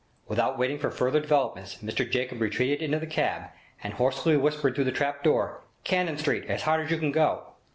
Without waiting for further developments, Mr Jacobs retreated into the cab and hoarsely whispered through the trap door, 'Cannon Street as hard as you can go!'